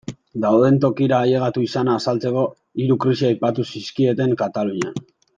Dauden tokira ailegatu izana azaltzeko, hiru krisi aipatu zizkieten Katalunian.